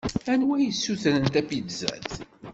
Anwa i yessutren tapizzat?